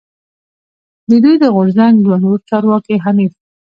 د دوی د غورځنګ دوه نور چارواکی حنیف